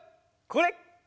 これ！